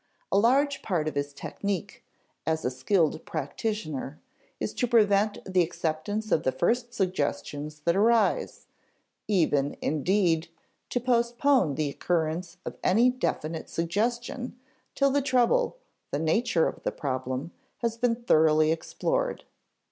A large part of his technique, as a skilled practitioner, is to prevent the acceptance of the first suggestions that arise; even, indeed, to postpone the occurrence of any very definite suggestion till the trouble the nature of the problem has been thoroughly explored.